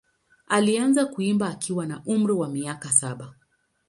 Alianza kuimba akiwa na umri wa miaka saba.